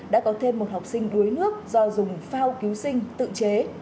đã có thêm một học sinh đuối nước do dùng phao cứu sinh tự chế